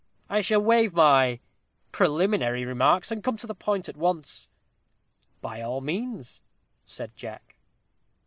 "I shall waive my preliminary remarks, and come to the point at once." "By all means," said Jack.